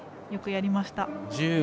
よくやりました。